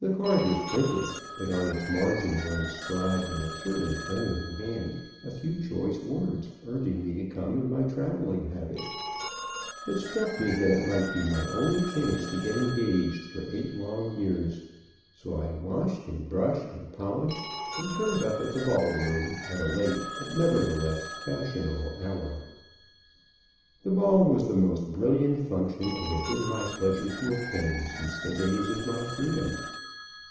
The card was printed, but on its margin were inscribed in a purely feminine hand a few choice words urging me to come in my traveling habit. It struck me that it might be my only chance to get engaged for eight long years, so I washed and brushed and polished, and turned up at the ball room at a late but nevertheless fashionable hour. [Illustration: "We tramped tired and footsore into the village."] The ball was the most brilliant function it had been my pleasure to attend since the days of my freedom.